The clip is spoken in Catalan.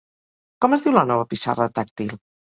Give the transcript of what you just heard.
Com es diu la nova pissarra tàctil?